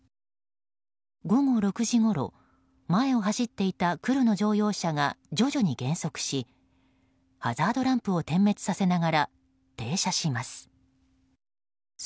午後６時ごろ前を走っていた黒の乗用車が徐々に減速しハザードランプを点滅させながら停車します。